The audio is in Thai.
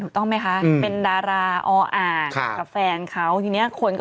แต่ที่แน่ไม่มีชอนะ